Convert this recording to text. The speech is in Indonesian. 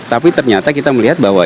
tapi ternyata kita melihat bahwa